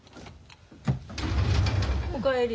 お帰り。